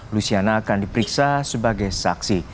luciana akan diperiksa sebagai saksi